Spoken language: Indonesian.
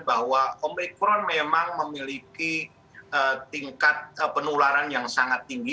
bahwa omikron memang memiliki tingkat penularan yang sangat tinggi